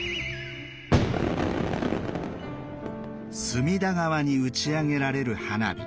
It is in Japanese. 隅田川に打ち上げられる花火。